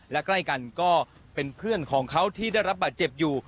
และใกล้กันก็เป็นเพื่อนของเขาที่ได้รับบาดเจ็บอยู่